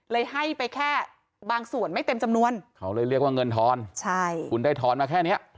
ให้ไปแค่บางส่วนไม่เต็มจำนวนเขาเลยเรียกว่าเงินทอนใช่คุณได้ทอนมาแค่เนี้ย